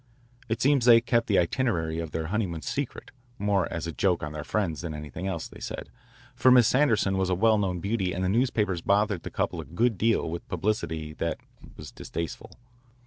It seems they kept the itinerary of their honeymoon secret, more as a joke on their friends than anything else, they said, for Miss Sanderson was a well known beauty and the newspapers bothered the couple a good deal with publicity that was distasteful.